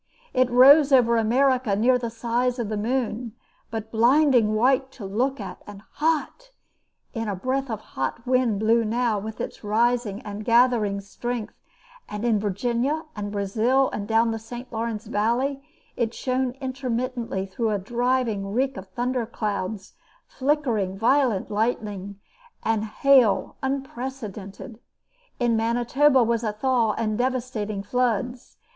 It rose over America near the size of the moon, but blinding white to look at, and hot; and a breath of hot wind blew now with its rising and gathering strength, and in Virginia, and Brazil, and down the St. Lawrence valley, it shone intermittently through a driving reek of thunder clouds, flickering violet lightning, and hail unprecedented. In Manitoba was a thaw and devastating floods.